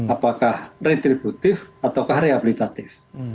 apakah retributif atau rehabilitatif